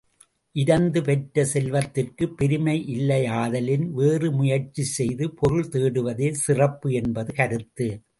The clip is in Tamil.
இரந்து பெற்ற செல்வத்திற்குப் பெருமை இல்லையாதலின், வேறு முயற்சி செய்து பொருள் தேடுவதே சிறப்பு என்பது கருத்து.